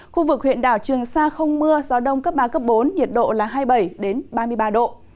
khu vực huyện đảo trường sa không mưa gió đông cấp ba cấp bốn nhiệt độ là hai mươi bảy ba mươi ba độ